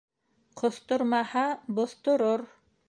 Ҡоҫтормаһа боҫторор.